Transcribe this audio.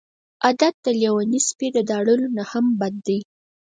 عادت د لیوني سپي د داړلو نه هم بد دی.